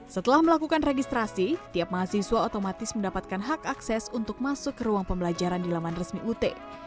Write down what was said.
setelah melakukan registrasi tiap mahasiswa otomatis mendapatkan hak akses untuk masuk ke ruang pembelajaran di laman resmi ut